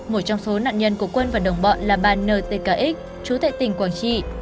một trong số nạn nhân của quân và đồng bọn là bà n t k x chú tệ tình quảng trị